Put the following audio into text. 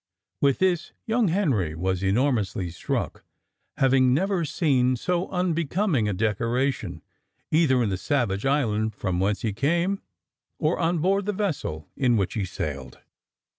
With this young Henry was enormously struck; having never seen so unbecoming a decoration, either in the savage island from whence he came, or on board the vessel in which he sailed.